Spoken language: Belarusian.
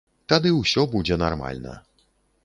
Тады ўсё будзе нармальна.